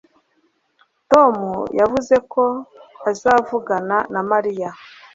Tom yavuze ko azavugana na Mariya